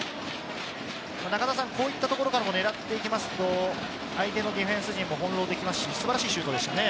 こういったところから狙っていきますと、相手のディフェンス陣も翻弄できますし、素晴らしいシュートでしたね。